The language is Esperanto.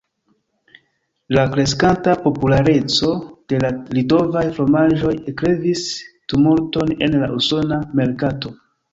La kreskanta populareco de la litovaj fromaĝoj eklevis tumulton en la usona merkato.